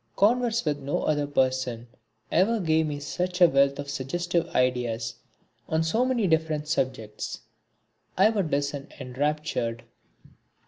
Converse with no other person ever gave me such a wealth of suggestive ideas on so many different subjects. I would listen enraptured.